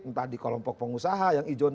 entah di kelompok pengusaha yang ijon